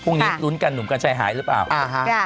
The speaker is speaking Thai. พรุ่งนี้ลุ้นกันหนุ่มกัญชัยหายหรือเปล่า